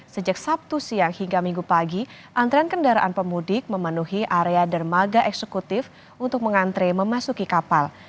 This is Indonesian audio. sejak sabtu siang hingga minggu pagi antrean kendaraan pemudik memenuhi area dermaga eksekutif untuk mengantre memasuki kapal